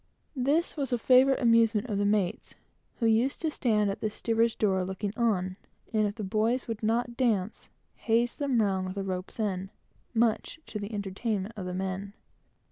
This was a favorite amusement of the mate's, who always stood at the steerage door, looking on, and if the boys would not dance, he hazed them round with a rope's end, much to the amusement of the men.